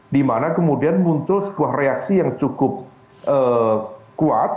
dimana kemudian muncul sebuah reaksi yang cukup kuat